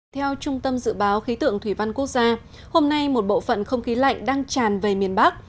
theo trung tâm dự báo khí tượng thủy văn quốc gia hôm nay một bộ phận không khí lạnh đang tràn về miền bắc